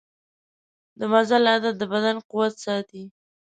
د مزل عادت د بدن قوت ساتي.